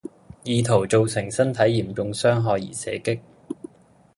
意圖造成身體嚴重傷害而射擊